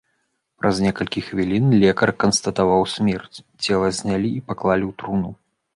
Праз некалькі хвілін лекар канстатаваў смерць, цела знялі і паклалі ў труну.